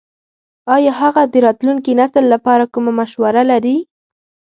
ایا هغه د راتلونکي نسل لپاره کومه مشوره لري ?